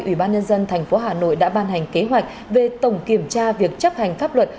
ủy ban nhân dân tp hà nội đã ban hành kế hoạch về tổng kiểm tra việc chấp hành pháp luật